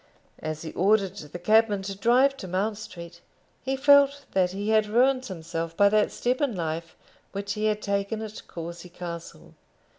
As he ordered the cabman to drive to Mount Street, he felt that he had ruined himself by that step in life which he had taken at Courcy Castle.